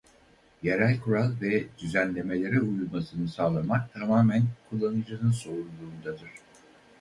Yerel kural ve düzenlemelere uyulmasını sağlamak tamamen kullanıcının sorumluluğundadır.